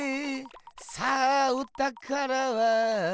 さあおたからはどこだ？